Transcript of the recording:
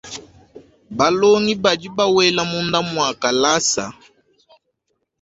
Balongi badi bawela munda mwa kalasa.